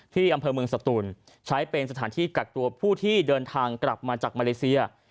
ที่อำเภอเมืองสตูนใช้เป็นสถานที่กักตัวผู้ที่เดินทางกลับมาจากมาเลเซีย